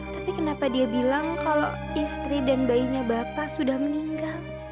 tapi kenapa dia bilang kalau istri dan bayinya bapak sudah meninggal